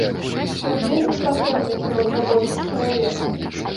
Ён вельмі патрэбны сярод рабочых чалавек.